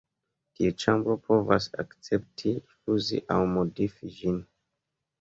Tiu ĉambro povas akcepti, rifuzi aŭ modifi ĝin.